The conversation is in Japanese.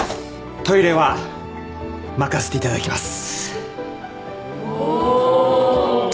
トイレは任せていただきます